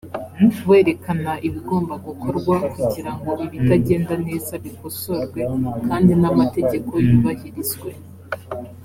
werekana ibigomba gukorwa kugira ngo ibitagenda neza bikosorwe kandi n amategeko yubahirizwe